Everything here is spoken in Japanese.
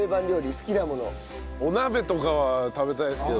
お鍋とかは食べたいですけど。